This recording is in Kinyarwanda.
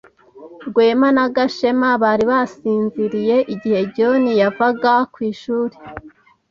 Rwema na Gashema bari basinziriye igihe John yavaga ku ishuri.